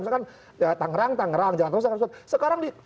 misalkan ya tanggerang tangerang jangan tahu sekarang